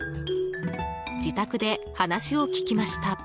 自宅で話を聞きました。